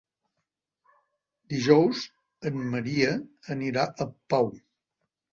Dijous en Maria anirà a Pau.